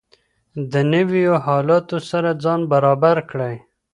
د نویو حالاتو سره ځان برابر کړئ.